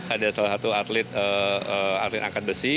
ada salah satu atlet angkat besi